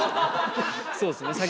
そうですね